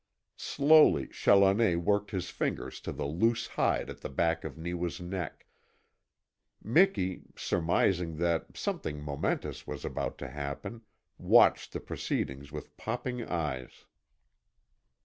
Slowly Challoner worked his fingers to the loose hide at the back of Neewa's neck. Miki, surmising that something momentous was about to happen, watched the proceedings with popping eyes.